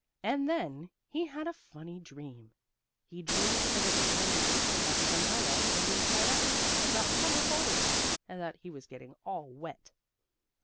And then he had a funny dream. He dreamed that it was raining, and that his umbrella turned inside out, and got full of holes, and that he was getting all wet.